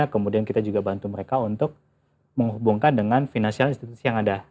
kemudian kita juga bantu mereka untuk menghubungkan dengan financial institusi yang ada